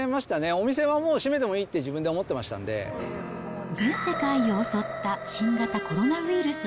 お店はもう閉めてもいいって、全世界を襲った新型コロナウイルス。